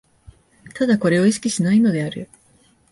唯これを意識しないのである。